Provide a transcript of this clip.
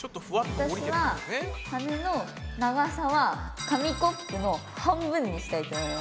私は羽の長さは紙コップの半分にしたいと思います。